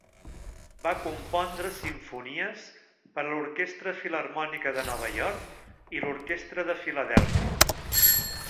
Va compondre simfonies per a l'Orquestra Filharmònica de Nova York i l'Orquestra de Filadèlfia.